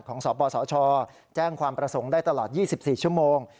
สปสชแจ้งความประสงค์ได้ตลอด๒๔ชั่วโมง